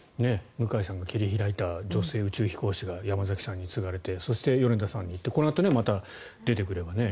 向井さんが切り開いた女性宇宙飛行士が山崎さんに継がれてそして、米田さんに行ってこのあとまた出てくればね。